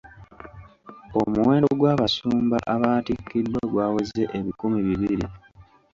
Omuwendo gw'abasumba abaatikiddwa gwaweze ebikumi bibiri.